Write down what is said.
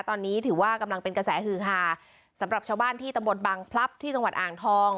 ตอนนี้ถือว่ากำลังเป็นกระแสฮือฮาสำหรับชาวบ้านที่ตำบลบังพลับที่จังหวัดอ่างทอง